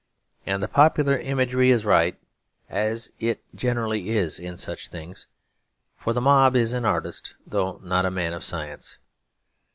And the popular imagery is right, as it generally is in such things: for the mob is an artist, though not a man of science.